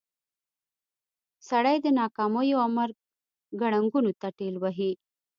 سړی د ناکاميو او مرګ ګړنګونو ته ټېل وهي.